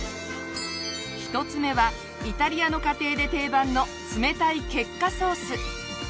１つ目はイタリアの家庭で定番の冷たいケッカソース。